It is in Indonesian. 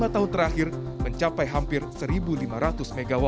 dua tahun terakhir mencapai hampir satu lima ratus mw